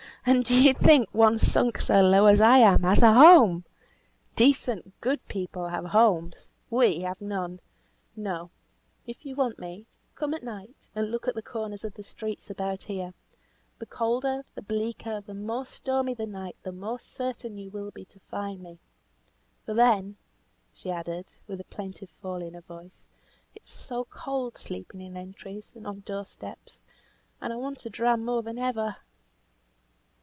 "And do you think one sunk so low as I am has a home? Decent, good people have homes. We have none. No, if you want me, come at night, and look at the corners of the streets about here. The colder, the bleaker, the more stormy the night, the more certain you will be to find me. For then," she added, with a plaintive fall in her voice, "it is so cold sleeping in entries, and on door steps, and I want a dram more than ever."